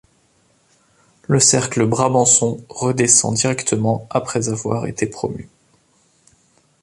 Le cercle brabançon redescend directement après avoir été promu.